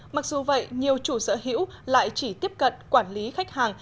mặc dù vậy nhiều chủ sở hữu lại chỉ tiếp cận quản lý khách hàng